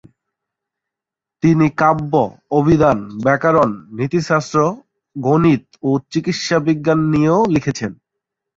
তিনি কাব্য, অভিধান, ব্যাকরণ, নীতিশাস্ত্র, গণিত ও চিকিৎসাবিজ্ঞান নিয়েও লিখেছেন।